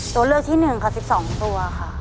ตัวเลือกที่๑ค่ะ๑๒ตัวค่ะ